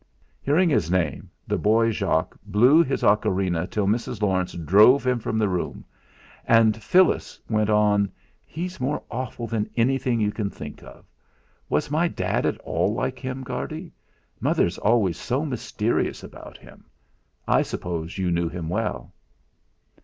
Hearing his name, the boy Jock blew his ocarina till Mrs. Larne drove him from the room, and Phyllis went on: "He's more awful than anything you can think of. Was my dad at all like him, Guardy? Mother's always so mysterious about him. I suppose you knew him well."